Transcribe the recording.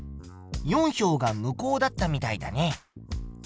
４票が無効だったみたいだね。